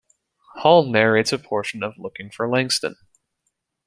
Hall narrates a portion of Looking for Langston.